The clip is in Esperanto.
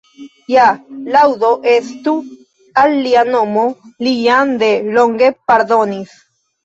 Ja, laŭdo estu al Lia Nomo, Li jam de longe pardonis.